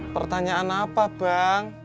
pertanyaan apa bang